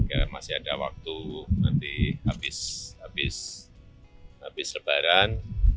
ya masih ada waktu nanti habis lebaran